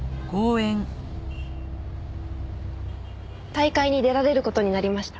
大会に出られる事になりました。